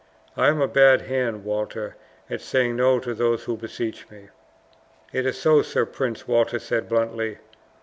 I am a bad hand, Walter, at saying no to those who beseech me." "It is so, Sir Prince," Walter said bluntly.